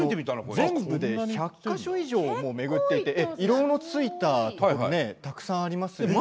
全部で１００か所以上を巡っていて色のついたところがたくさんありますよね。